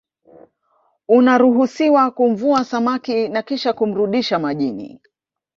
unaruhusiwa kumvua samaki na Kisha kumrudisha majini